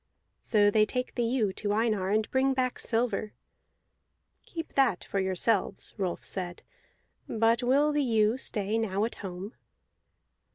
So they take the ewe to Einar, and bring back silver. "Keep that for yourselves," Rolf said, "but will the ewe stay now at home?"